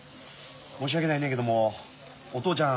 申し訳ないねんけどもお父ちゃん